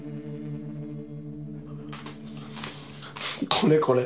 これこれ。